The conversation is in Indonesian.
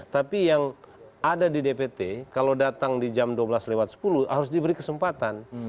tapi yang ada di dpt kalau datang di jam dua belas sepuluh harus diberi kesempatan